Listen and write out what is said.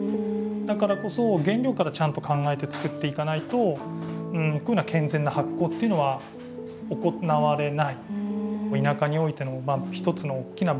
だからこそ原料からちゃんと考えて造っていかないと健全な発酵っていうのは行われない。